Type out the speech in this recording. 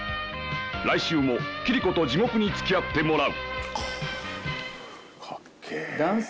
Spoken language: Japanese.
来週もキリコと地獄に付き合ってもらう。